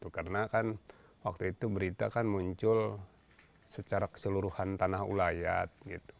karena kan waktu itu berita muncul secara keseluruhan tanah ulayat